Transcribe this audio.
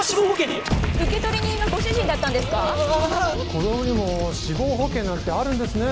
子供にも死亡保険なんてあるんですね。